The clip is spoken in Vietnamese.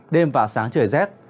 đêm và sáng trời rét